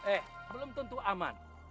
eh belum tentu aman